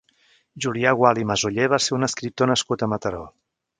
Julià Gual i Masoller va ser un escriptor nascut a Mataró.